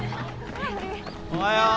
おはよう！